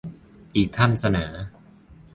อีกท่านเสนอ